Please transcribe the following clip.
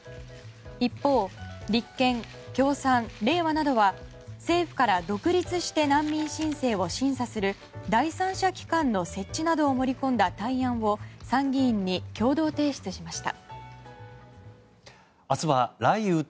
一方、立憲・共産・れいわなどは政府から独立して難民申請を審査する第三者機関の設置などを盛り込んだ対案を参議院に共同提出しました。